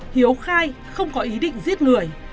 hiếu khai không có ý định giết người